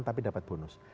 tapi dapat bonus